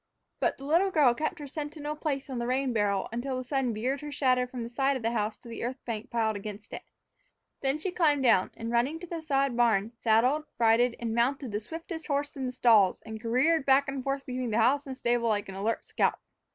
But the little girl kept her sentinel place on the rain barrel until the sun veered her shadow from the side of the house to the earth bank piled against it. Then she climbed down and, running to the sod barn, saddled, bridled, and mounted the swiftest horse in the stalls and careered back and forth between house and stable like an alert scout.